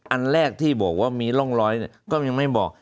อันแรกที่บอกว่ามีร่องรอยก็ยังไม่บอก